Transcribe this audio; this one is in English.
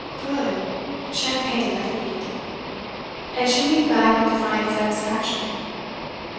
Good; champagne let it be. And she leaned back in defiant satisfaction.